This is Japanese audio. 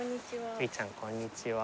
ゆいちゃんこんにちは。